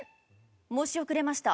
申し遅れました。